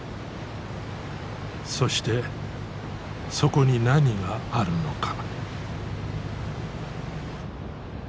そしてそこに何があるのか。